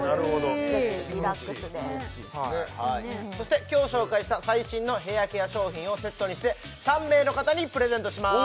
ぜひリラックスで気持ちいいそして今日紹介した最新のヘアケア商品をセットにして３名の方にプレゼントします